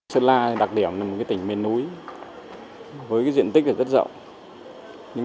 sơn la đặc điểm là một tỉnh mềm núi với diện tích rất rộng